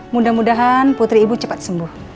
mudah mudahan putri ibu cepat sembuh